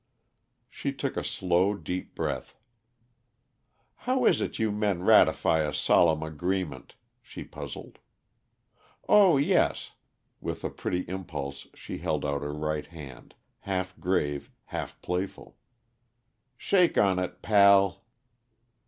She took a slow, deep breath. "How is it you men ratify a solemn agreement?" she puzzled. "Oh, yes." With a pretty impulse she held out her right hand, half grave, half playful. "Shake on it, pal!"